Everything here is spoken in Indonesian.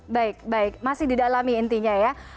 baik baik masih didalami intinya ya